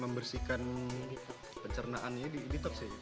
membersihkan pencernaannya di detok sih